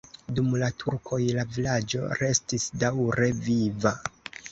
Dum la turkoj la vilaĝo restis daŭre viva.